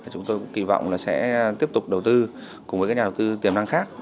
chúng tôi cũng kỳ vọng là sẽ tiếp tục đầu tư cùng với các nhà đầu tư tiềm năng khác